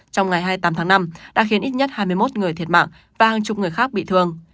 trong ngày hai mươi tám tháng năm đã khiến ít nhất hai mươi một người thiệt mạng và hàng chục người khác bị thương